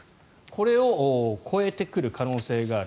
これを超えてくる可能性がある。